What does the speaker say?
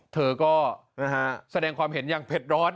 เธอก็แสดงความเห็นอย่างเผ็ดร้อน